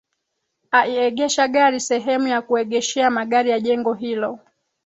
Aiegesha gari sehemu ya kuegeshea magari ya jengo hilo